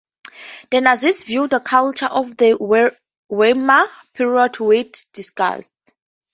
The Nazis viewed the culture of the Weimar period with disgust.